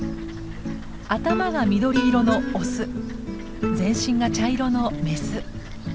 頭が緑色のオス全身が茶色のメス。